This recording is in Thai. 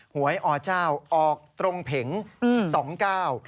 หวยอเจ้าอตรงเพ็งสองเก้า